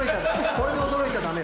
これで驚いちゃ駄目よ。